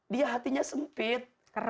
dia hatinya sempit